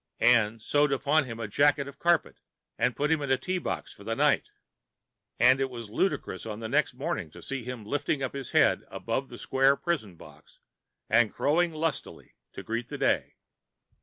Anne sewed upon him a jacket of carpet, and put him in a tea box for the night; and it was ludicrous on the next morning to see him lifting up his head above the square prison box and crowing lustily to greet the day.